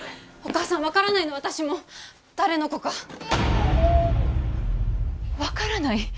お母さん分からないの私も誰の子か分からない？